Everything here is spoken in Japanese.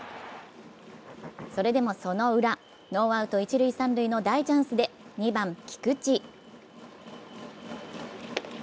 それでもそのウラ、ノーアウト一・三塁の大チャンスで２番・菊池。